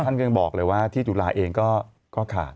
ท่านก็ยังบอกเลยว่าที่จุฬาเองก็ขาด